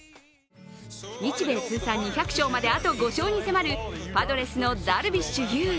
日米通算２００勝まで、あと５勝に迫るパドレスのダルビッシュ有。